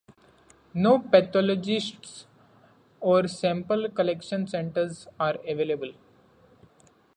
No pathologists or sample collection centres are available.